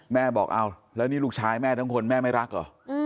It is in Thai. แม่บอกอ้าวแล้วนี่ลูกชายแม่ทั้งคนแม่ไม่รักเหรอ